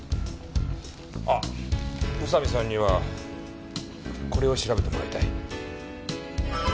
あっ宇佐見さんにはこれを調べてもらいたい。